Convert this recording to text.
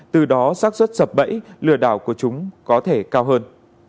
từ đó xác xuất sập bẫy lừa đảo của chúng có thể cao hơn